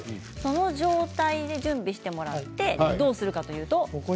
この状態で準備をしてもらってどうするかというと。